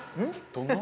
どんな？